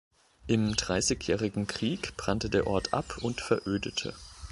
Im Dreißigjährigen Krieg brannte der Ort ab und verödete.